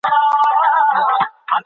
سپین ږیري په ټولنه کې د خیر سرچینه وي.